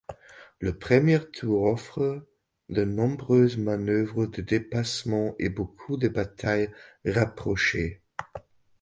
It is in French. Le premier tour offre de nombreuses manœuvres de dépassement et beaucoup de batailles rapprochées.